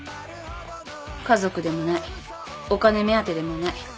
家族でもないお金目当てでもない。